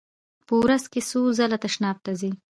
په ورځ کې څو ځله تشناب ته ځئ؟